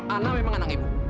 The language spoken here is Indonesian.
ana memang anak ibu